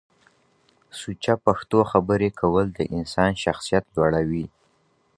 سوچه پښتو خبري کول د انسان شخصیت لوړوي